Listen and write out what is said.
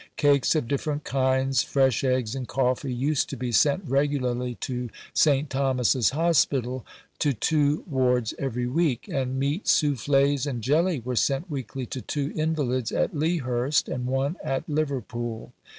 Cakes of different kinds, fresh eggs, and coffee used to be sent regularly to St. Thomas's Hospital, to two wards every week; and meat soufflées and jelly were sent weekly to two invalids at Lea Hurst and one at Liverpool.